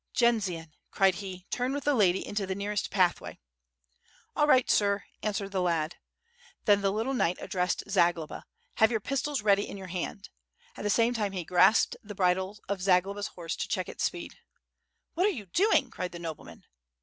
"Jendzian," cried he, "turn with the lady into the nearest pathway." "All right, sir," answered the lad. Then the little knight addressesd Zagloba: "Have your pistols ready in your hand." At the same time he grasped the bridle of Zagloba's horse to check its speed. "W^hat are you doing?" cried the nobleman.